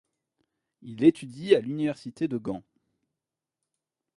Il étudie à l'Université de Gand.